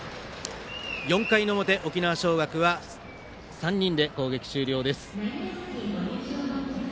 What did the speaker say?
４回の表、沖縄尚学は３人で攻撃終了です。